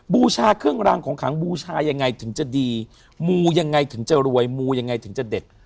บูชาเครื่องรางของขังบูชายังไงถึงจะดีมูยังไงถึงจะรวยมูยังไงถึงจะเด็ด